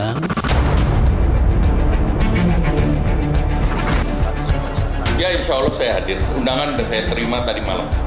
ya insya allah saya hadir undangan dan saya terima tadi malam